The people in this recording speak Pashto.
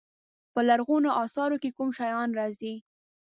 په لرغونو اثارو کې کوم شیان راځي.